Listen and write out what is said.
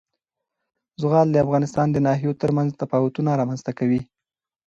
زغال د افغانستان د ناحیو ترمنځ تفاوتونه رامنځ ته کوي.